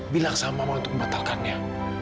bilang sama mau untuk membatalkannya